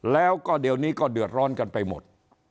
แล้วก็เดี๋ยวนี้ก็เดือดร้อนกันไปหมด